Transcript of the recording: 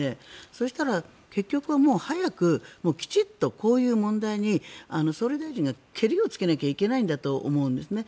そうしたら結局早くきちんとこういう問題に総理大臣がけりをつけなきゃいけないんだと思うんですよね。